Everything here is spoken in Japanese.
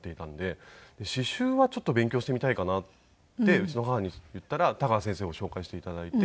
「刺繍はちょっと勉強してみたいかな」ってうちの母に言ったら田川先生を紹介して頂いて。